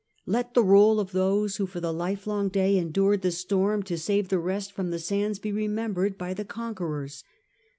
Let the roll of those who for the livelong day endured the storm to save the rest from the sands be remembered by the conquerors.